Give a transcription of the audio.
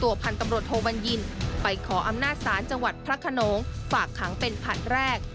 และควบคุมตัวพันธ์ตำรวจโทวันยินทร์ไปขออำนาจฐานจังหวัดพระขนงฝากขังเป็นภัทรแรก